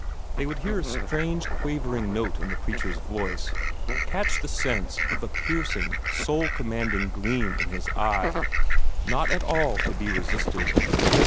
They would hear a strange, quavering note in the preacher's voice, catch the sense of a piercing, soul commanding gleam in his eye not at all to be resisted.